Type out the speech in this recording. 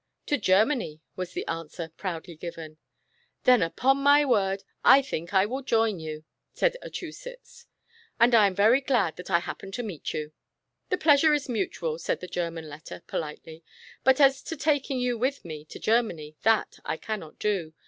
"To Germany," was the answer, proudly given. "Then, upon my word, I think I will join you," said Achusetts, "and I am very glad that I hap pened to meet you." "The pleasure is mutual," said the German letter, politely, "but as to taking you with me to Germany, that I cannot do.